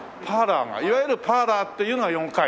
いわゆるパーラーっていうのは４階？